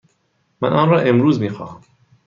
من آن را امروز می خواهم.